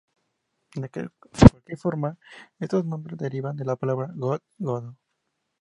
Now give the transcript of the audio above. De cualquier forma estos nombres derivan de la palabra goth, godo.